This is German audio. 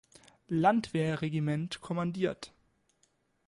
Landwehr-Regiment kommandiert.